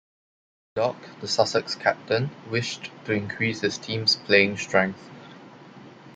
Murdoch, the Sussex captain, wished to increase his team's playing strength.